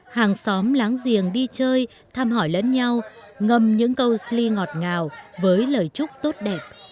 hàng xóm láng giềng đi chơi thăm hỏi lẫn nhau ngâm những câu sli ngọt ngào với lời chúc tốt đẹp